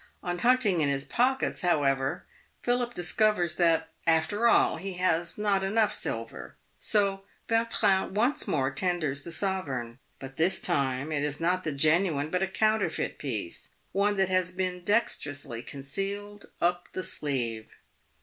On hunting in his pockets, however, Philip discovers that " after all he has not enough silver," so Vautrin once more tenders the sovereign ; but thistime it is not the genuine, but a counterfeit piece — one that has been dex terously concealed up the sleeve.